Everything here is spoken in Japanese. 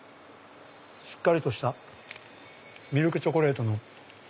しっかりとしたミルクチョコレートの。